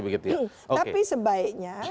begitu ya oke tapi sebaiknya